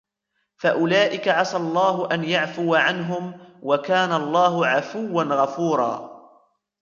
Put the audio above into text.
فأولئك عسى الله أن يعفو عنهم وكان الله عفوا غفورا